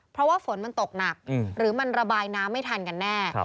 เพราะว่าฝนมันตกหนักหรือมันระบายน้ำไม่ทันกันแน่